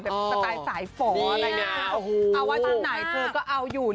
แบบสไตล์สายฝ๋าเอาไว้ตั้งไหนเธอก็เอาอยู่